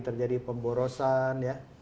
terjadi pemborosan ya